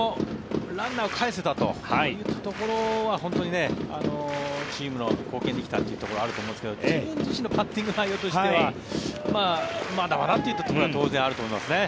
ランナーをかえせたといったところは本当にチームに貢献できたというところがあると思うんですが自分自身のバッティング内容というのはまだまだっていうところは当然あると思いますね。